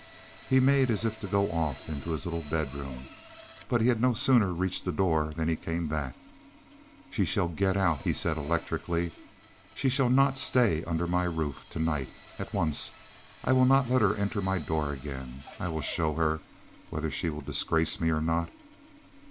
He made as if to go off to his little bedroom, but he had no sooner reached the door than he came back. "She shall get out!" he said electrically. "She shall not stay under my roof! To night! At once! I will not let her enter my door again. I will show her whether she will disgrace me or not!"